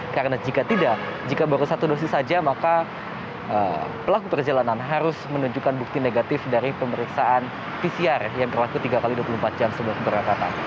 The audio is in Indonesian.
karena jika tidak jika baru satu dosis saja maka pelaku perjalanan harus menunjukkan bukti negatif dari pemeriksaan pcr yang berlaku tiga x dua puluh empat jam sebelum keberangkatan